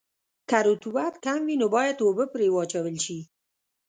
که رطوبت کم وي نو باید اوبه پرې واچول شي